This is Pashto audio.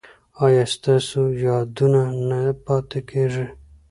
ایا ستاسو یادونه نه پاتې کیږي؟